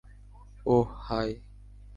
ওহ, high!